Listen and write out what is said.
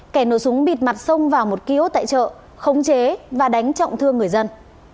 kẻ nổ súng bịt mặt sông vào một kiosk tại chợ khống chế và đánh trọng thương người dân